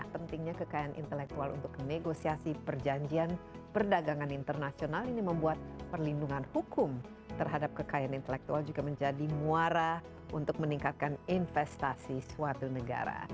pentingnya kekayaan intelektual untuk negosiasi perjanjian perdagangan internasional ini membuat perlindungan hukum terhadap kekayaan intelektual juga menjadi muara untuk meningkatkan investasi suatu negara